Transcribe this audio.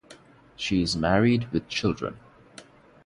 She is married with children.